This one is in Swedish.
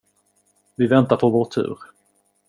Vi väntar på vår tur!